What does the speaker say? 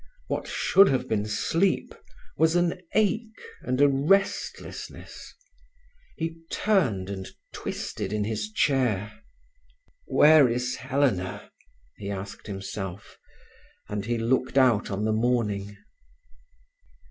What should have been sleep was an ache and a restlessness. He turned and twisted in his chair. "Where is Helena?" he asked himself, and he looked out on the morning.